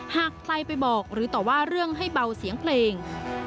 หากใครไปบอกหรือต่อว่าเรื่องให้เบาเสียงเพลง